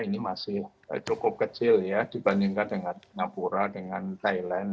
ini masih cukup kecil ya dibandingkan dengan singapura dengan thailand